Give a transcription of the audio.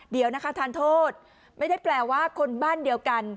เดี๋ยวนะคะทานโทษไม่ได้แปลว่าคนบ้านเดียวกัน